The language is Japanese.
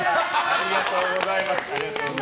ありがとうございます。